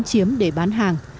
chiếm để bán hàng